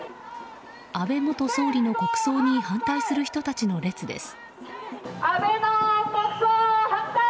安倍元総理の国葬に反対する人たちの列です。